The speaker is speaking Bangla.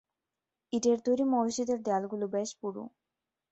ইটের তৈরী মসজিদের দেয়ালগুলো বেশ পুরু।